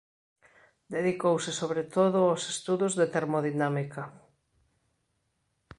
Dedicouse sobre todo aos estudos de Termodinámica.